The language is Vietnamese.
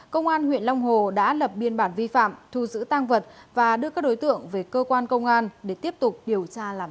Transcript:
công an huyện long hồ đã lập biên bản vi phạm thu giữ tang vật và đưa các đối tượng về cơ quan công an để tiếp tục điều tra làm rõ